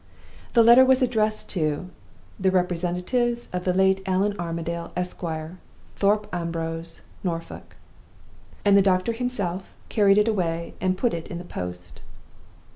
The letter was addressed to 'The Representatives of the late Allan Armadale, Esq., Thorpe Ambrose, Norfolk.' And the doctor himself carried it away, and put it in the post.